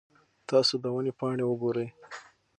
تاسو د ونې پاڼې وګورئ.